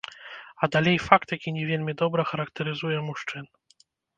А далей факт, які не вельмі добра характарызуе мужчын.